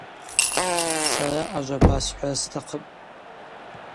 Сара ажва басхӏвра стахъыпӏ.